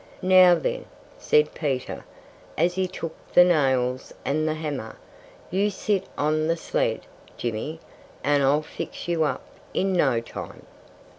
"Now, then," said Peter, as he took the nails and the hammer, "you sit on the sled, Jimmy, and I'll fix you up in no time."